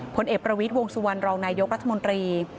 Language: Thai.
ผลเอกประวิทย์วงสุวรรณรองนายกรัฐมนตรี